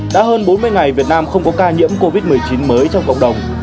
đã hơn bốn mươi ngày việt nam không có ca nhiễm covid một mươi chín mới trong cộng đồng